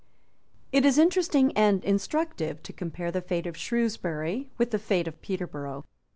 It is interesting and instructive to compare the fate of Shrewsbury with the fate of Peterborough.